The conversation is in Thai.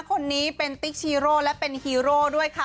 คนนี้เป็นติ๊กชีโร่และเป็นฮีโร่ด้วยค่ะ